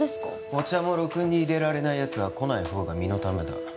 お茶もろくにいれられないヤツは来ない方が身のためだ